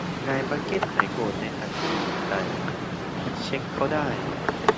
นายบัคเก็ต หายโกรธในทันทีทันใด เช็คเขาได้